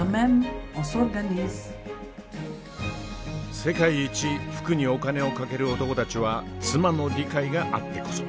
世界一服にお金をかける男たちは妻の理解があってこそ。